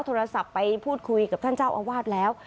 โทรศัพท์ไปพูดคุยกับท่านเจ้าอาวาสแล้ว